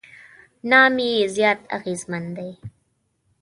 نام یې زیات اغېزمن دی.